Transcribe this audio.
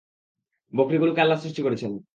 বকরিগুলোকে আল্লাহ সৃষ্টি করেছেন।